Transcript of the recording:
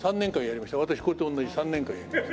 私これと同じ３年間やりました。